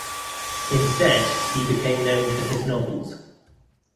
Instead, he became known for his novels.